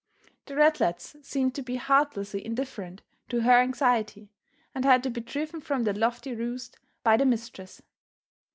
The ratlets seemed to be heartlessly indifferent to her anxiety and had to be driven from their lofty roost by the mistress.